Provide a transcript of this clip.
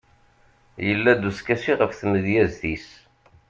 yella-d uskasi ɣef tmedyazt-is